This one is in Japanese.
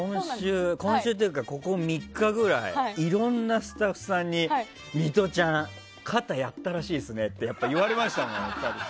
今週というかここ３日間ぐらいいろんなスタッフさんにミトちゃん肩をやったらしいですねとやっぱり言われましたもん。